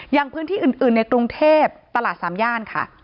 อย่างพื้นที่อื่นในกรุงเทพตลาดสามย่านค่ะ